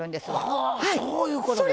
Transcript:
はぁそういうことですか。